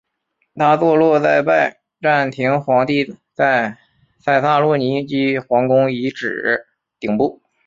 它坐落在拜占庭皇帝在塞萨洛尼基皇宫遗址顶部。